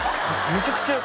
めちゃくちゃ。